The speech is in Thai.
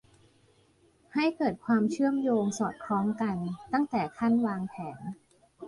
ให้เกิดความเชื่อมโยงสอดคล้องกันตั้งแต่ขั้นวางแผน